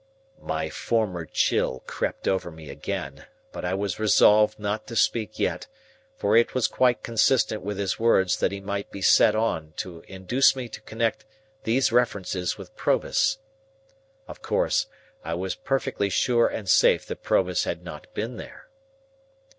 My former chill crept over me again, but I was resolved not to speak yet, for it was quite consistent with his words that he might be set on to induce me to connect these references with Provis. Of course, I was perfectly sure and safe that Provis had not been there.